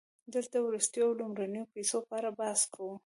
دلته د وروستیو او لومړنیو پیسو په اړه بحث کوو